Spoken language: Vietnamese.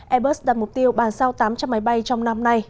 airbus đặt mục tiêu bàn sao tám trăm linh máy bay trong năm nay